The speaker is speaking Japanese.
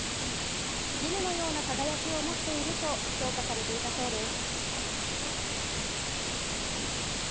絹のような輝きを持っていると評価されていたそうです。